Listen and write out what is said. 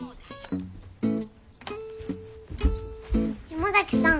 山崎さん。